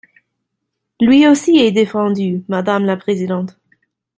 Lui aussi est défendu, madame la présidente.